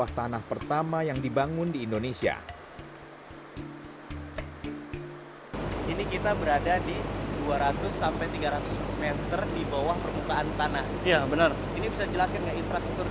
air yang terkumpul akan disedot oleh saluran intake tunnel